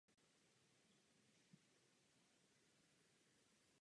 Zástavbu obklopují lesy a postupným stoupáním přechází v pole a zemědělské plochy.